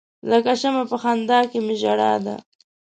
لکه شمع په خندا کې می ژړا ده.